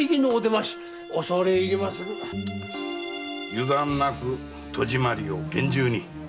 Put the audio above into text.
油断なく戸締まりを厳重に。